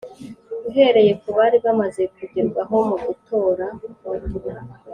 uhereye ku bari bamaze kugerwaho mu gutora